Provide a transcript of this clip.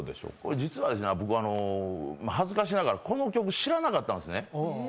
実は僕、恥ずかしながら、この曲知らなかったんですね。